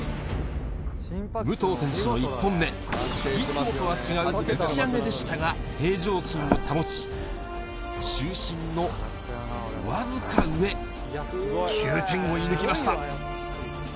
武藤選手の１本目、いつもとは違ううち上げでしたが、平常心を保ち、中心の僅か上、９点を射ぬきました。